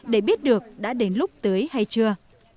để biết được đã đến lúc tưới hay chưa